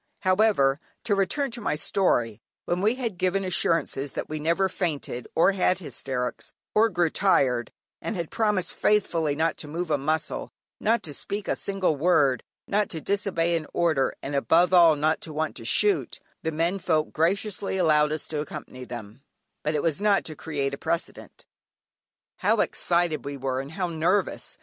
However, to return to my story, when we had given assurances that we never fainted, nor had hysterics, nor grew tired; and had promised faithfully not to move a muscle, not to speak a single word, not to disobey an order, and above all not to want to shoot, the men folk graciously allowed us to accompany them; but it was not to create a precedent. How excited we were and how nervous!